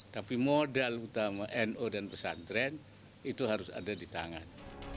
tapi modal utama nu dan pesantren itu harus ada di tangan